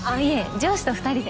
上司と２人で。